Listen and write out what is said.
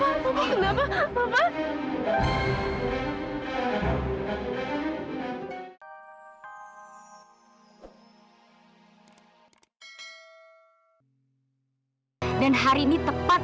apa maksud paharis ini